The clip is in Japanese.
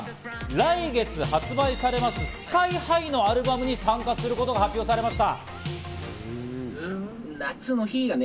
来月発売されますＳＫＹ−ＨＩのアルバムに参加することが発表されました。